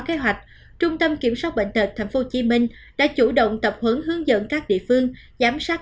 kế hoạch trung tâm kiểm soát bệnh tật tp hcm đã chủ động tập hướng hướng dẫn các địa phương giám sát